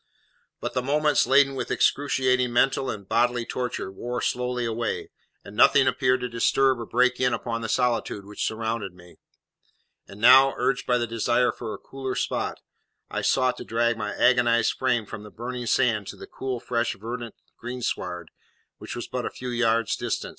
But the moments, laden with excruciating mental and bodily torture, wore slowly away, and nothing appeared to disturb or break in upon the solitude which surrounded me; and now, urged by the desire for a cooler spot, I sought to drag my agonised frame from the burning sand to the cool, fresh, verdant greensward, which was but a few yards distant.